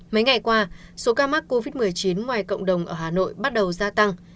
mấy ngày qua số ca mắc covid một mươi chín ngoài cộng đồng ở hà nội bắt đầu gia tăng